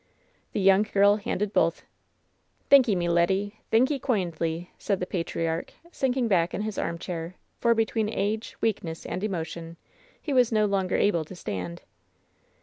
'' The young girl handed both. "Thanky, me leddy! Thanky koindly!" said the patriarch, sinking back in his armchair; for between age, weakness and emotion he was no longer able to stand.